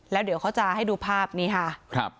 แล้วเดี๋ยวเขาจะให้ดูภาพนี้ค่ะ